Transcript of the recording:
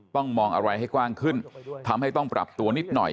ต้องมองอะไรให้กว้างขึ้นทำให้ต้องปรับตัวนิดหน่อย